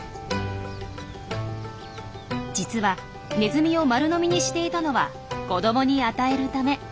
実はネズミを丸飲みにしていたのは子どもに与えるため。